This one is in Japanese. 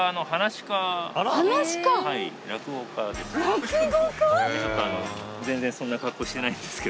落語家⁉